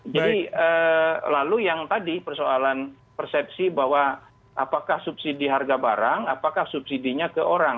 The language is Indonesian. jadi lalu yang tadi persoalan persepsi bahwa apakah subsidi harga barang apakah subsidinya ke orang